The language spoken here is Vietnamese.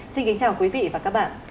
xin kính chào quý vị và các bạn